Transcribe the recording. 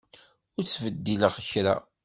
Ur ttbeddil kra.